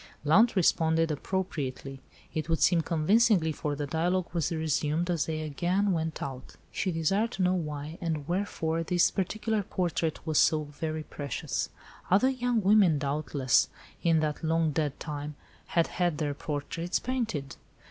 Blount responded appropriately; it would seem convincingly, for the dialogue was resumed as they again went out. She desired to know why, and wherefore, this particular portrait was so very precious. Other young women, doubtless, in that long dead time, had had their portraits painted.